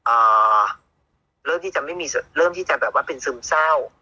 อ่าเริ่มที่จะไม่มีเริ่มที่จะแบบว่าเป็นซึมเศร้า